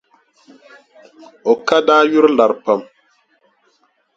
O ka daa yuri lari pam.